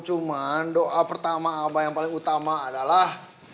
cuman doa pertama yang paling utama adalah